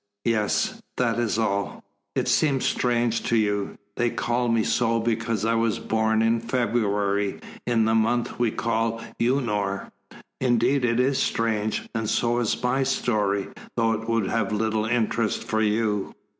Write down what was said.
"Yes that is all. It seems strange to you? They called me so because I was born in February, in the month we call Unor. Indeed it is strange, and so is my story though it would have little interest for you."